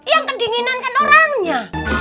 yang kedinginan kan orangnya